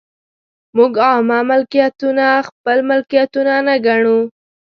موږ عامه ملکیتونه خپل ملکیتونه نه ګڼو.